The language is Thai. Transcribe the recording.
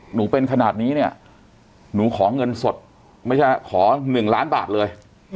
หนูเป็นขนาดนี้เนี่ยหนูขอเงินสดไม่ใช่ขอ๑ล้านบาทเลย